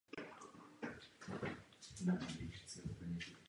Ještě téhož roku se pod její záštitou konaly první výstavy.